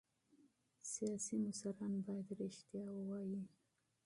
سیاسي مشران باید رښتیا ووايي